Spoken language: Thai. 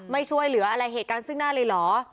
ไม่ช่วยเหลืออะไรเหตุการณ์ซึ่งหน้าเลยเหรอ